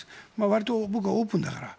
わりと僕はオープンだから。